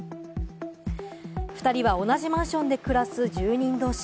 ２人は同じマンションで暮らす住人同士。